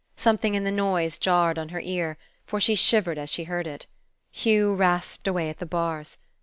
Something in the noise jarred on her ear, for she shivered as she heard it. Hugh rasped away at the bars.